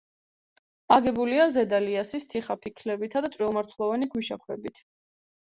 აგებულია ზედა ლიასის თიხაფიქლებითა და წვრილმარცვლოვანი ქვიშაქვებით.